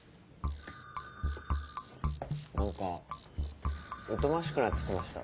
何か疎ましくなってきました。